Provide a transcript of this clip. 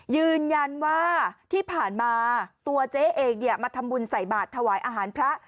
ยืนยันว่าที่ผ่านมาตัวเจ๊เองมาทำบุญใส่บาทถวายอาหารพระ